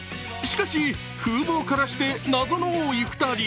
しかし、風貌からして謎の多い２人。